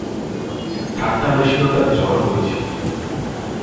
ঠাট্টা রসিকতার ঝড় বইছে।